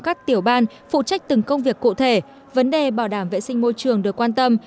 các tiểu ban phụ trách từng công việc cụ thể vấn đề bảo đảm vệ sinh môi trường được quan tâm